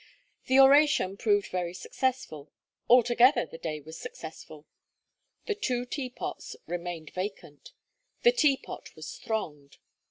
The oration proved very successful; altogether, the day was successful. The two Teapots remained vacant; the Teapot was thronged.